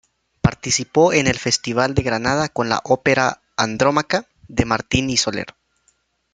Participó en el Festival de Granada con la ópera Andrómaca de Martín y Soler.